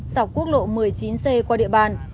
dọc quốc lộ một mươi chín c qua địa bàn